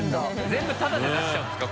全部タダで出しちゃうんですか？